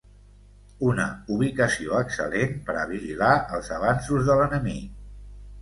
Una ubicació excel·lent per a vigilar els avanços de l'enemic.